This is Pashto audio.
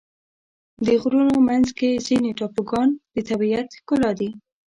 د غرونو منځ کې ځینې ټاپوګان د طبیعت ښکلا دي.